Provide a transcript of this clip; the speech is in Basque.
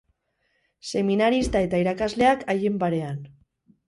Seminarista eta irakasleak haien parean.